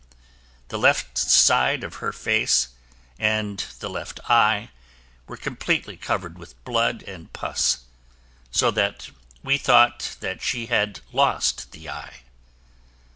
The left side of her face and the left eye were completely covered with blood and pus, so that we thought that she had lost the eye.